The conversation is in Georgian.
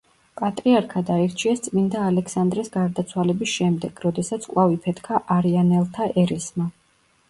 პატრიარქად აირჩიეს წმინდა ალექსანდრეს გარდაცვალების შემდეგ, როდესაც კვლავ იფეთქა არიანელთა ერესმა.